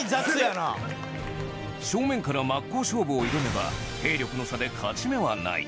正面から真っ向勝負を挑めば兵力の差で勝ち目はない